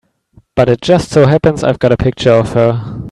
But it just so happens I've got a picture of her.